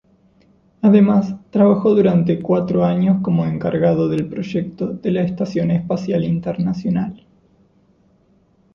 Además trabajó durante cuatro años como encargado del proyecto de la Estación Espacial Internacional.